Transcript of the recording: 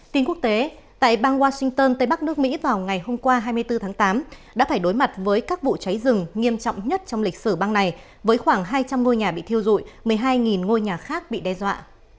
tin quốc tế tại bang washington tây bắc nước mỹ vào ngày hôm qua hai mươi bốn tháng tám đã phải đối mặt với các vụ cháy rừng nghiêm trọng nhất trong lịch sử bang này với khoảng hai trăm linh ngôi nhà bị thiêu dụi một mươi hai ngôi nhà khác bị đe dọa